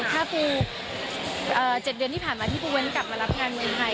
ถ้าปู๗เดือนที่ผ่านมาที่ปูเว้นกลับมารับงานเมืองไทย